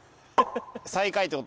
最下位ってことね